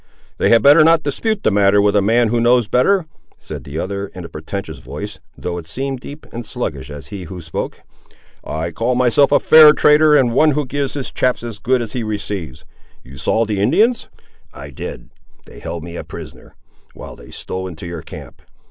"They had better not dispute that matter with a man who knows better," said the other in a portentous voice, though it seemed deep and sluggish as he who spoke. "I call myself a fair trader, and one who gives to his chaps as good as he receives. You saw the Indians?" "I did—they held me a prisoner, while they stole into your camp."